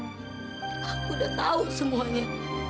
aku udah tau semuanya